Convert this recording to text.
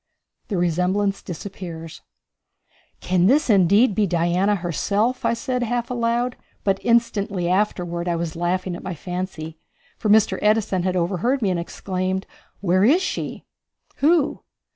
The Resemblance Disappears. "Can this indeed be Diana herself?" I said half aloud, but instantly afterward I was laughing at my fancy, for Mr. Edison had overheard me and exclaimed, "Where is she?" "Who?"